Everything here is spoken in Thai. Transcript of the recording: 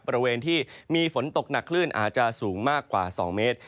บริเวณที่มีฝนตกหนักคลื่นอาจจะสูงมากกว่า๒เมตร